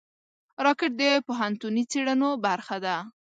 راکټ د پوهنتوني څېړنو برخه ده